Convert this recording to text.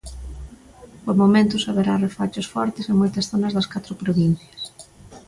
Por momentos haberá refachos fortes en moitas zonas das catro provincias.